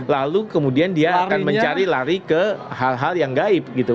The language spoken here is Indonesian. lalu kemudian dia akan mencari lari ke hal hal yang gaib gitu